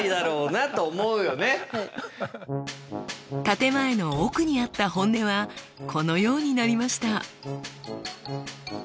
建て前の奥にあった本音はこのようになりました。